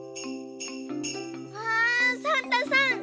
うわサンタさん